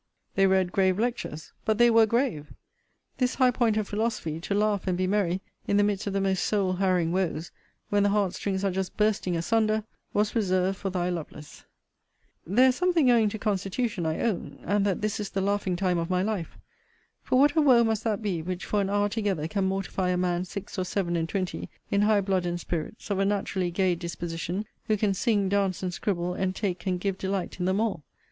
They read grave lectures; but they were grave. This high point of philosophy, to laugh and be merry in the midst of the most soul harrowing woes, when the heart strings are just bursting asunder, was reserved for thy Lovelace. There is something owing to constitution, I own; and that this is the laughing time of my life. For what a woe must that be, which for an hour together can mortify a man six or seven and twenty, in high blood and spirits, of a naturally gay disposition, who can sing, dance, and scribble, and take and give delight in them all?